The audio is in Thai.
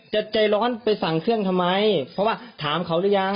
จะใจร้อนไปสั่งเครื่องทำไมเพราะว่าถามเขาหรือยัง